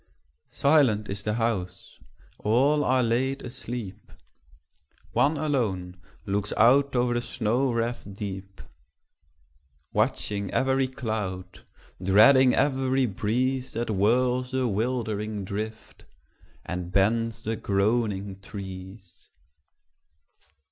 Silent is the house: all are laid asleep: One alone looks out o'er the snow wreaths deep, Watching every cloud, dreading every breeze That whirls the wildering drift, and bends the groaning trees.